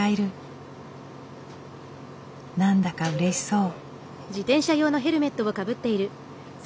何だかうれしそう。